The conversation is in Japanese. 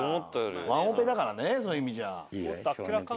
ワンオペだからねそういう意味じゃ。